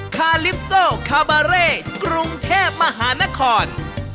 ๑คาลิปโซคาเบอร์เร่กรุงเทพมหานคร